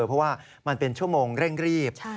เพราะว่ามันเป็นชั่วโมงเร่งรีบ